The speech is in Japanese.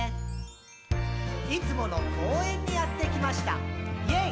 「いつもの公園にやってきました！イェイ！」